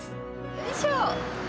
よいしょ